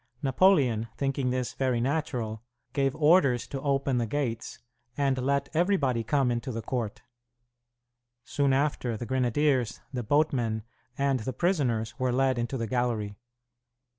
Napoleon, thinking this very natural, gave orders to open the gates, and let everybody come into the court. Soon after, the grenadiers, the boatmen, and the prisoners were led into the gallery.